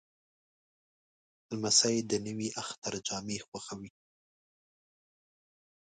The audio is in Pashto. لمسی د نوي اختر جامې خوښوي.